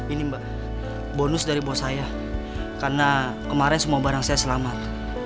ini mbak bonus dari bos saya karena kemarin semua barang saya selamat